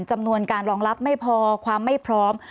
จำนวนการรองรับไม่พอความไม่พร้อม